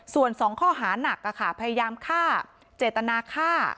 ส่วน๒ข้อหานักพยายามฆ่าเจตนาฆ่า